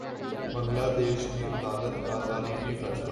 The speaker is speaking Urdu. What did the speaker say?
بنگلہ دیش کی عدالت کا تاریخی فیصلہ